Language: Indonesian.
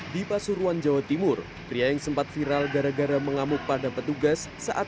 di pasuruan jawa timur pria yang sempat viral gara gara mengamuk pada petugas saat